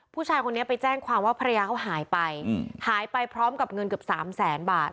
ผู้ชายคนนี้ไปแจ้งความว่าภรรยาเขาหายไปหายไปพร้อมกับเงินเกือบสามแสนบาท